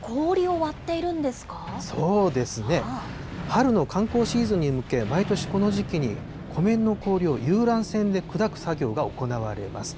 春の観光シーズンに向け、毎年この時期に湖面の氷を遊覧船で砕く作業が行われます。